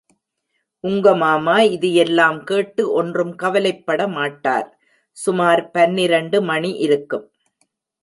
உங்க மாமா இதையெல்லாம் கேட்டு ஒன்றும் கவலைப்பட மாட்டார்! சுமார் பன்னிரண்டு மணி இருக்கும்.